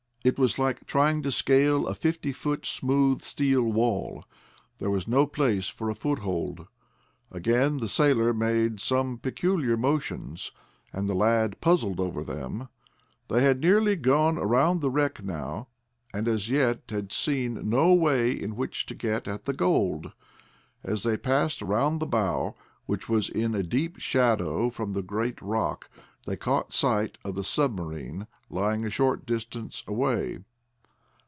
It was like trying to scale a fifty foot smooth steel wall. There was no place for a foothold. Again the sailor made some peculiar motions, and the lad puzzled over them. They had gone nearly around the wreck now, and as yet had seen no way in which to get at the gold. As they passed around the bow, which was in a deep shadow from a great rock, they caught sight of the submarine lying a short distance away.